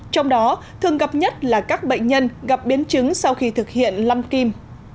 trong đó thường gặp nhất là các bệnh nhân gặp biến chứng sau khi thực hiện lăn kim